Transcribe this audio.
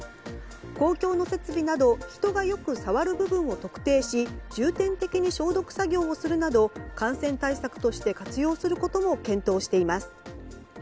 公共の設備など人が良く触る部分を特定し重点的に消毒作業をするなど感染対策として活用することも検討しています。